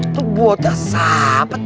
itu bocah sahpet